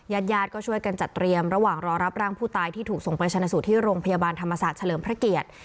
ญาติญาติก็ช่วยกันจัดเตรียมระหว่างรอรับร่างผู้ตายที่ถูกส่งไปชนะสูตรที่โรงพยาบาลธรรมศาสตร์เฉลิมพระเกียรติ